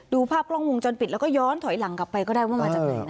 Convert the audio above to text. ดูภาพกล้องวงจรปิดแล้วก็ย้อนถอยหลังกลับไปก็ได้ว่ามาจากไหน